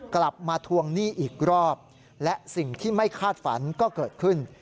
กลับมาทวงหนี้อีกรอบและสิ่งที่ไม่คาดฝันก็เกิดขึ้น